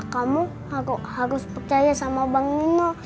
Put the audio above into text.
kamu harus percaya sama bang nino